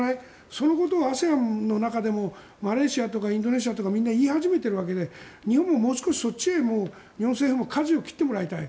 そのことをＡＳＥＡＮの中でもマレーシアとかインドネシアとか言い始めているわけで日本政府ももう少し、そっちにかじを切ってもらいたい。